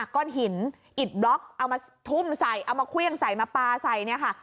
ก้อนหินอิดบล็อกเอามาทุ่มใส่เอามาเครื่องใส่มาปลาใส่เนี่ยค่ะ